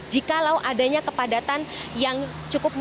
jikalau adanya kepadatan yang cukup masif atau luar biasa